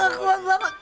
nggak kuat banget